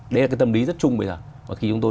đấy là cái tâm lý rất chung bây giờ và khi chúng tôi